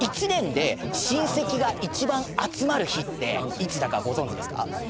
１年で親戚が一番集まる日っていつだかご存じですか？